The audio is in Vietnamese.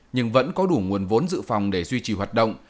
nhưng vẫn có đủ nguồn vốn dự phòng để duy trì hoạt động